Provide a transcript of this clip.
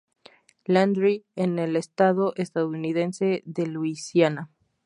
Landry en el estado estadounidense de Luisiana.